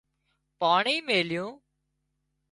پاڻي ميليُون